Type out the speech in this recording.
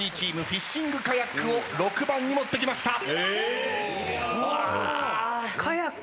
フィッシングカヤックを６番に持ってきました。